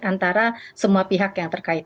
antara semua pihak yang terkait